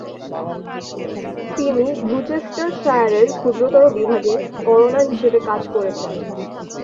তিনি গ্লুচেস্টারশায়ারের ক্ষুদ্রতর বিভাগে করোনার হিসেবে কাজ করেছেন।